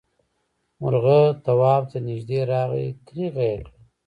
مرغه تواب ته نږدې راغی کريغه یې کړه.